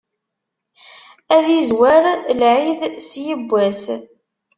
Ad izwer lɛid s yibbwas.